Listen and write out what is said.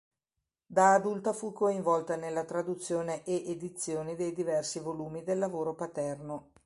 Da adulta fu coinvolta nella traduzione e edizioni dei diversi volumi del lavoro paterno.